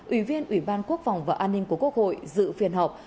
ủy viên ủy ban quốc phòng và an ninh của quốc hội dự phiên họp